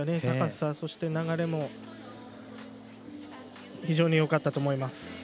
高さ、そして流れも非常によかったと思います。